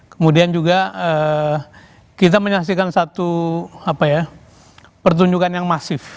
kemudian juga kita menyaksikan satu pertunjukan yang masif